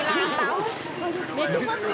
寝てますね。